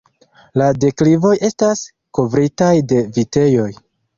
La deklivoj estas kovritaj de vitejoj.